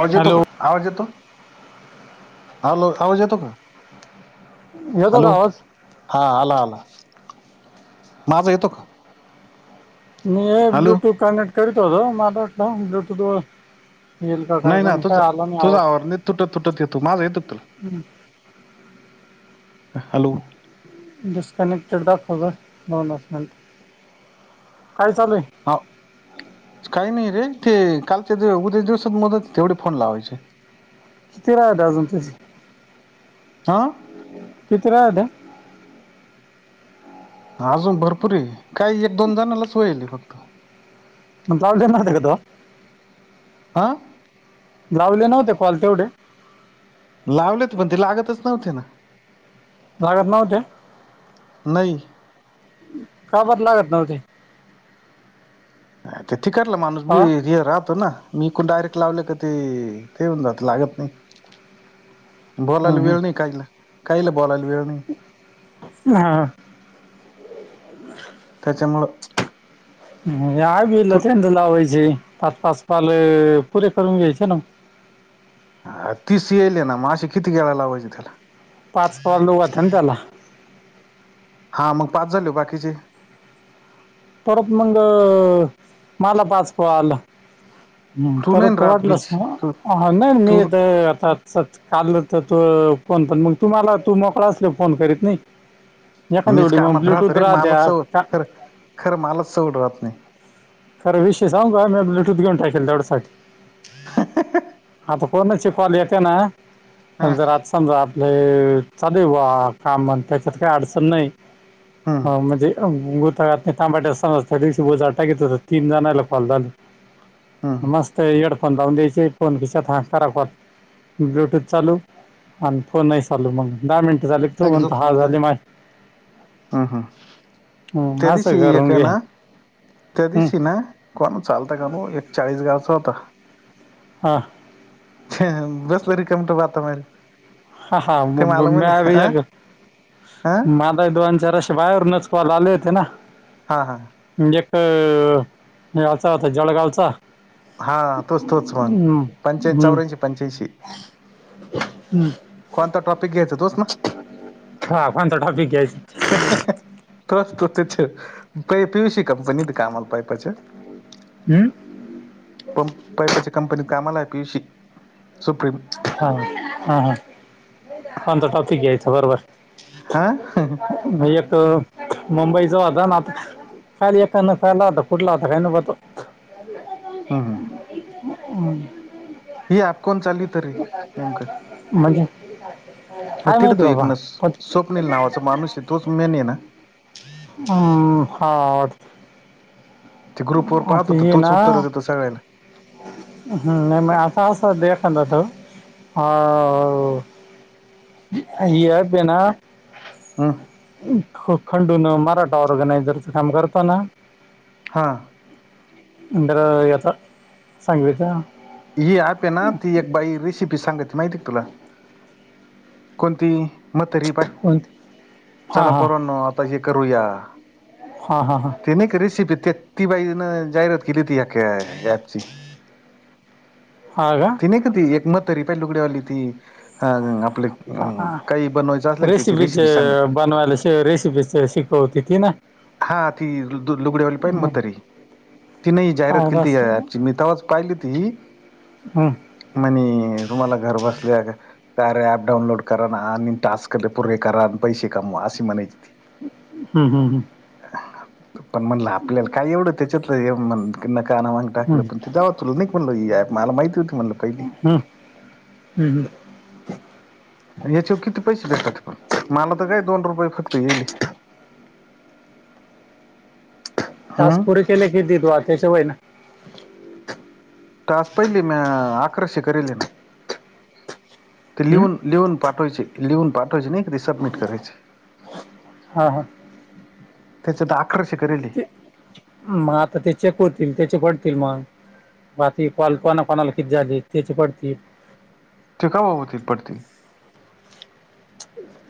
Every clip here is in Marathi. आवाज येतो हॅलो का आवाज येतो. हॅलो आवाज येतो का. येतो का हॅलो आवाज हा आला आला माझा येतो का? मी हे हॅलो ब्लूटूथ कनेक्ट करत होतो मला डाउनलोड नाही ना तुझ तुझा आवाज लई तुटत तुटत येतो माझा येतो का तुला. हॅलो, डिस्कनेक्टेड दाखवतं दोनच मिनिटं काय चालू आहे? हो काही नाही रे ते कालच्या दिव उद्या दिवसात मदत तेवढे फोन लावायचे? किती राहिल अजून तुझे. हां. किती राहिलं. अजून भरपूर आहे काही एक दोन जनालाच व्हायलय फक्त म्हणताजेतेतो [unintelligible] हां. लावले नव्हते कॉल तेवढे. लावलेत पण ते लागतच नव्हते ना,? लागत नव्हते. नाही? का बरं लागत नव्हते. अच्छा तिकडंल माणूस हा बिझी राहतो ना. एकूण डायरेक्ट लावले का ते ठेवून जात लागत नाही. हम्म, बोलायला हम्म. वेळ नाही काहींना काहीला बोलायला वेळ नाही. हां? [inaudible] त्याच्यामुळं, मग आहे तू त्यांना लावायचे पाच पाच कॉल पुरे करून घ्यायचे ना. हं तीस येईल ना मग असे किती वेळा लावायचे त्याला पाच प दो वातं ना त्याला. हा मग पाच झाले हो बाकीचे परत मंग मला पाच पो आला? हम्म तू नाही परत राहत बीच वाटलंस ना तू नाही तू मीथ आता. स काललं तर तू फोन पण मग तुम्हाला तू मोकळा असल फोन करीत नाही? मीच याखाडी मग कामात राहत ब्लूटूथ रे रा त्या. मलाच सवड खरं खरं मलाच चवड राहत नाही. खर विषय सांग का मी ब्लूटूथ घेऊन टाकेल तेवढ्यासाठी आता. कोोनची क्ॉल येते ना हा न जरज- समजा आपले चादैव कामण त्याच्यात काही अडचण नाही? हम्म हा म्हणजे गुतागात नाही तांबाट असना त्या दिवशी बोज टा घेतत. तीन जण आला फलताली हम्म मस्त लावून फोन किशात हांरा वात. ब्लूटूथ चालू आणि फोनही चालू मग दहा मिनटं झाले? तू का म्हणतो झप हा मोड झा झाली माय हम् हम् हं, त्या असं दिवशी एक करून का घे ना. त्या हं, दिवशी ना कोण चालत का त एक चाळीस गावचा होता? हां. बसल र कमट. हा हा म भ अ अ म. दोन चार असे बाहेरूनच कॉल आले होते ना. हा हा. म्हणजे एक याचा होता जळगावचा. हा तोच तोच मग हम पंच्याऐंशी हम्म. चौऱ्याऐंशी पंच्याऐंशी हम्म. कोणता टॉपिक घ्यायचा तोस ना. हा कोणत ठॉपिक आहेस. त असतो त्याच्या प पियु श. कंपनीत कामाल पाहि पा. हं. पंप पाईपाची कंपनी कामाला आहे पीयशी सुप्रीम. हा हा हा अंत टॉपिक आयच बरोबर. हा. एक मुंबईचा होता ना आता. खाली एकााना खलाता कुठला आता काही ना बत. हा हा. ह. ही आप कोण चालली. तरी नेमकं म्हणजे मग काय तिथं माहिती तो एक बाबा. न स्वप्नील नावाचा माणूस आहे तोच मेन ये ना. हम्म हा. ते ग्रुप वर पाहत होत तोच उत्तर देतं सगायला. ह् नाही म अता अस होत एखाद्याचं अ. ही ॲप हे ना. हं. खंडून मराठा ऑर्गनायझरचं काम करतो ना. हां. म्हंतर याचा सांगितच. ही आप आहे ना ती एक बाई रेसिपी सांगाची माहिती तुला. कोणती म्हातारी बाई कोणती हां चला पोरांना आता हे करूया. हा हा हा. ते नाही का रेसिपी ती बाईन जाहिरात केली ती पची. आ. नाही का ती एक मत तरी पा लुकडीवाली ती ह. आप काही का बनवायचं क रेसिपीचे रेसिपी सांग. बनवायला शे रेसिपीचे शिकवते ती ना हाी लुगड्यावाली पा हं, म्हातारी. तिने ही जाहिरात केली पाहिलं ती या असतं ऍपची मी तवाच पाहिली ती. हम. म्हणे तुम्हाला घर बसल्या का. काय र ऍप डाऊनलोड करा ना आणि टास्क परे करा आणि पैसे कमवा अशी म्हणायची ती. हम्म हम् हम्म. पण म्हणलं आपल्याला काय एवढं त्याच्यातलं ये म्हण. किन कानामाग हं, टाकलं पणव तुला न म्हणलं हीप मला माहिती म्हण. कहिली! हं, हं, हं. न याच्यावर किती पैसे भेटतां पण, माला त काय दोन रुपये फक्त येल हे. [inaudible] टास हम्म. पुरे केले की देदो वा त्याच्या होईना. टास पहिले म्या अकराशे करेल हे ना ते लिहून. लिहून पाठवायचे, लिहून पाठवायचे नही का ते सबमिट करायचे. हां हां त्याच्यातं अकराशे करेल हे! ते मग आता ते चेक होतील त्याचे पडतील मग. बाकी कॉल कोणाकोणाला किती झाले त्याचे पडतील. ते कव्हा होतील पडतील.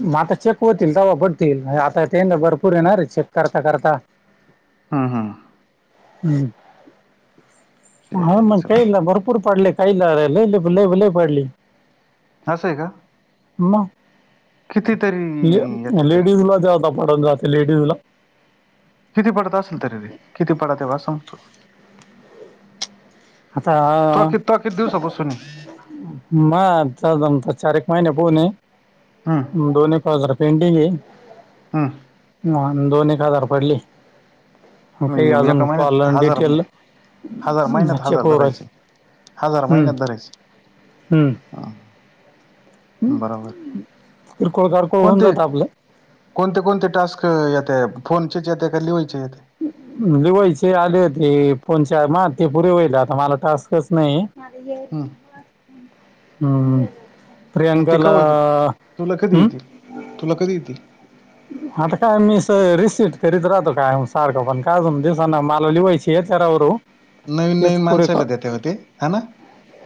म आता चेक होतील तंवा पडतील, आता तेन भरपूर हे नांरे चेक करता करता. हं हं! ह मग काहीला भरपूर पडले. काही ला लयी लयी लयी लयी पडले. असं हे का? म! कितीतरी! येते तरी ले-लेडीज ला जादा पडत जातं लेडीजला. किती पडत असल तरी रे, किती पडत्यां असं म्हणतो. तुवा कीतवा कीती दिवसा पासुन हे! महा आता जमता चारेक महिन्या पाहून ये. हं! दोन एक हजार पेडिंग हे! हं! हा दोन एक हजार पडले. मं काही म्हणजे अजून एका महिन्यात कॉलं न हजार डिटेल हजार महिन्यात चेक हजार होऊ धरायचे हजार राहिली हू महिन्यात धरायचे हू! बरा बर किरकोळ कारकोळ होऊन कोणते! जातं आपलं कोणते कोणते टास्क येत्या, फोनचेच येत्या का लिवायचे येत्या? लिवायचे आले होते, फोनच्या माह ते पुरे होईल आता मला टास्कच नही. हम्म हं! मग ते प्रियांकाला कवा येतील तुला कधी ऊ! येतील तुला कधी येती. आता काय मी स रिसिट करीत राहतो कायमं सारखं पण काय अजून दिसना माला लिवायचे येत्या रावरो. नवीन नवीन माणसाला देत्यां ओ ते हाय ना!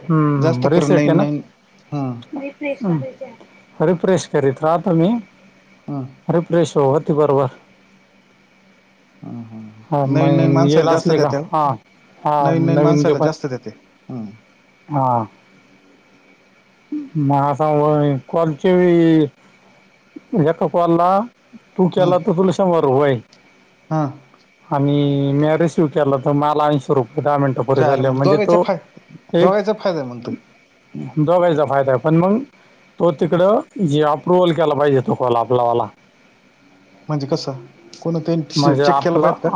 हम्म जास्त करून रिसेट आहे नवीन ना नवीन ह! रिफ्रेश करीत राहतो मी. हा! रिफ्रेश व होती बरबर. हां हां! हा म येल असले का, हा हा नवीन जे माणसाला पण जास्त देते हम्म हा! मं आता व कॉलचे बी एका कॉलला तू केला त तुला शंभर रुपये हे! हं! आणि म्या रिसिव्ह केला तर माल ऐंशी रुपये दहा मिनटं पुरे च्या आयला झाले मग म्हणजे दोघाचा तो फाय एक दोघाचा फायदा आहे म्हणल.. दोघायचा फायदा आहे पण मग तो तिकडं जे अप्रुवल केला पाहिजे तो कॉल आप पला म्हणजे कसं कोण त्यांनी म्हणजे चेक केला आपला पाहिजेत का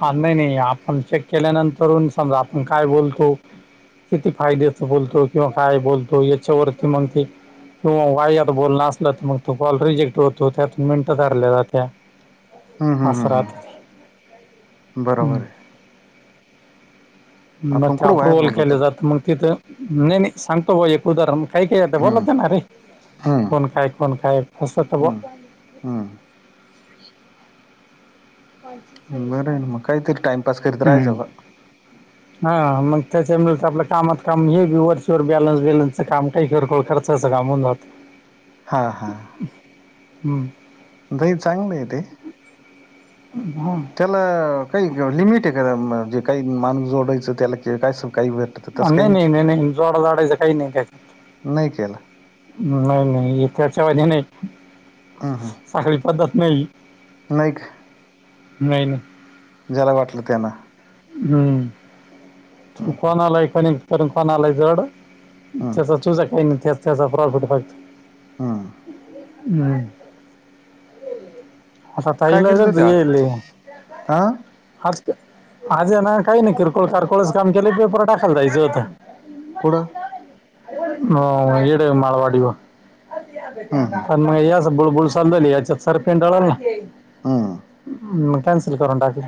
हा नाही नाही आपण चेक केल्यानंतरून समजा आपण काय बोलतो.. किती फायद्याच बोलतो किंवा काय बोलतो याच्यावरती मग ते. किंवा वाईयात बोलण असलं तर मग तो कॉल रिजेक्ट तो त्यात मिनटं धरल्या जात्या अस राहत ते. बरोबरय.? मग आपण ते कुठं वायात अप्रुव्हल बोलवतो केले जात मग तिथं नाही नाही सांगतो भा एक उदाहरण. काही काही आता हम्म बोलत ना रे हम्म कोण काय कोण काय फसत ब हम्म हम्म [inaudible] बरंय न मग काहीतरी टाइमपास करत हम्म. राहायचं बा. - हा मग त्याच्यामुळे तर आपलं कामात काम हे बी वरचेवर बॅलन्स बिलन्सच काम काही घर खर्चाचं काम होऊन जातं.? [inaudible] हा हम्म. दही चांगलय ते. हां. त्याला काही लिमिट आहे क म्हणजे काही माणूस जोडायचं त्याला काय कस काही? तसं काही नाही नाही नाही नाही जोडा जोडायचं काही नाही त्यात. नाही केला नाही नाही त्याच्या वानी नाही.? हां हां. साखळी पद्धत नाही.? नाही का. नाही नाही. ज्याला वाटलं त्याला. [unintelligible] हम्म, तु कोनालाय कनेक्ट कर न कोनालाय जोड. हम्म त्याचा तुझा काही नाही त्याच त्याचा प्रॉफिट फक्त. हम्म. हम्म. आता काय ताईला करीत होते आज हा [unintelligible] आजय ना काही नाही किरकोळ कारकोळच काम केल पेपर टाकायला जायचं होत.? कुठ? अं इढे माळवाडीवर.. हम्म हम्म म या अस बुळबुळ चाललेली याच्यात सार पिंडाळल ना हम्म मग कॅन्सल करून टाकले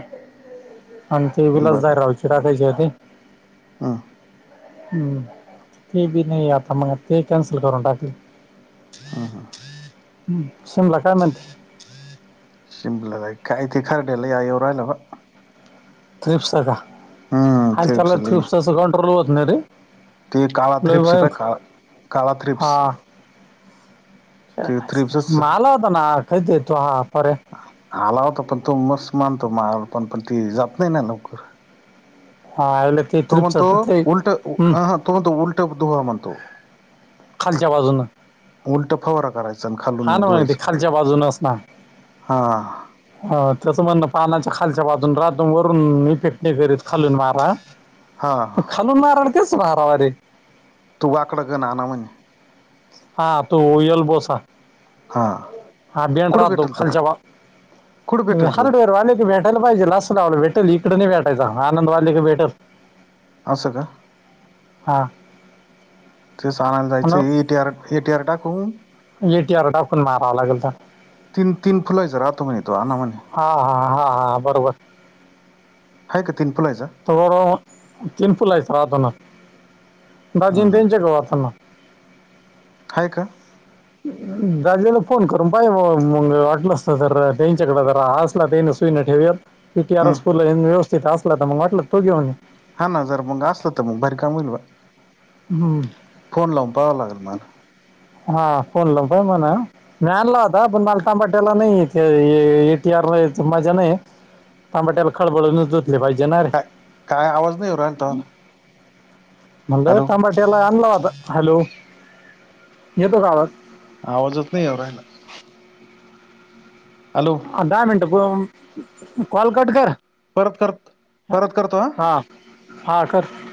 आणि ती विलास [unintelligible] टाकायची होती. हां. हम्म ते बी नाही आता मग ते कॅन्सल करून टाकली? ह हा. समला काा म्हणती? शिंबला कायथे खरडेला या येव रायला भा थ्रिप्स का हम्म आणि थ्रिप्स त्याला लई थ्रिपसाच कंट्रोल होत नाही रे. ते काळा लय थ्रिप्स पय भयंकर का काळा थ्रिप्स ते थ्रिप्सच माला होता ना खयतयेतो ह पर. आला होता पण मस् मानतो मार पण पण ती जात नाही लवकर? हा, ते तो म्हणतो थ्रिप्सचं ते उलट हम्म, हा तो म्हणतो उलटं दोहा म्हणतो? खालच्या बाजूनं? उलट फवारा करायचा हा ना मग ते धुवायचं खालच्या बाजूनच हा. अ त्याचं म्हणण पानाच्या खालच्या बाजून रातून वरून इ फे हे करत खालून मारा हा खालून मारा तेच भारावारीे. तू वाकडं घन आण ना म्हणे, हा तू उअल बोसा. हा कुठं बेड्रु भेटल तो कुठं भेटल तो हरडर अ बे. [unintelligible] भेटयला पाहिजे लस लावलं भेटेल इ [inaudible] कडे नाही भेटायचा आनंद वाले क भेटल असं का... हा ते सांगायला जायचं आणि एटी आर. ए टर टा ख [unintelligible] एटीआर टाकून मारावा लागेल तर तीन- तीन फुलायच राहतो म्हणे तो आना म्हणे, हा हा हा हा बरोबर? ह का तीन फुलायचा. थथडं तीन फुल आहेचं राहताना हम्म दहाजन हम्म त्यांनच्या का वाताना. ई [inaudible] दाजूला फोन करून बाय मग वाटलं असत तर त्यांच्याकडे जरा हसला ते नसत. ठे पी टी हम्म आरस व्यवस्थित असला तर मग वाटलं तो घेऊन. हा ना जर मग असलं तर मग भारी काम होईल ब हम्म. फोन लावून पाहा लागेल मला. हा फोन कोणलं प म्हणा.? मॅनला होता पण मालटाबाट्याला नाही एटीआरलाथ मजा नाही. तांबाट्याला खळबळूनच होतले पाहिजे ना रे, काय काय आवाज नाही येऊ राहिला तुम्हाला म्हणलंय हॅलो तांबाट्याला आणला आता हॅलो येतो काळात. आवाजच नाही या राहिला.? हॅलो, दहा मिनट कॉल कट कर परत करत परत करतो हा हां. हा कर.?